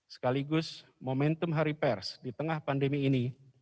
sekaligus momentum hari pers di tengah pandemi ini